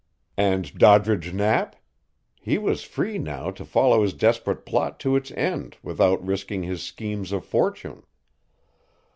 And Doddridge Knapp? He was free now to follow his desperate plot to its end without risking his schemes of fortune.